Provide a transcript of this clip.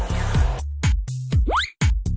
เลย่าวันนี้ค่ะ